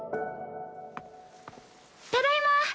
ただいま！